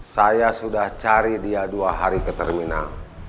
saya sudah cari dia dua hari ke terminal